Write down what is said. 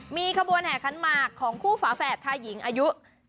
มีขบวนแห่ขันหมากของคู่ฝาแฝดชายหญิงอายุ